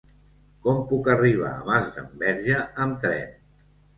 Com puc arribar a Masdenverge amb tren?